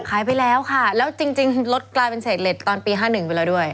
ขายไปแล้วค่ะแล้วจริงรถกลายเป็นเศษเล็ตตอนปี๕๑ไปแล้วด้วย